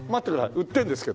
売ってるんですよ。